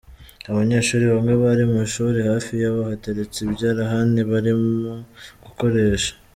Abanyeshuri bamwe bari mu ishuri hafi yabo hateretse ibyarahani barimo gukoresha.